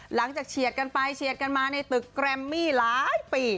เฉียดกันไปเฉียดกันมาในตึกแกรมมี่หลายปี